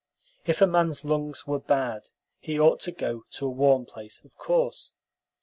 If a man's lungs were bad, he ought to go to a warm place, of course.